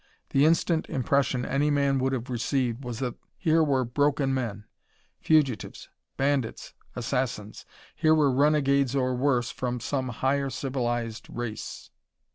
The instant impression any man would have received was that here were broken men; fugitives, bandits, assassins. Here were renegades or worse from some higher, civilized race.